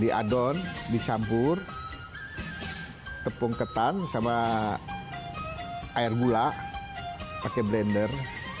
diadon dicampur tepung ketan sama air gula pakai blender